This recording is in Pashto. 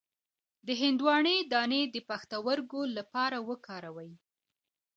د هندواڼې دانه د پښتورګو لپاره وکاروئ